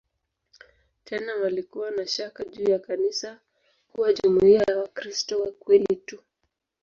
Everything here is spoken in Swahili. Tena walikuwa na shaka juu ya kanisa kuwa jumuiya ya "Wakristo wa kweli tu".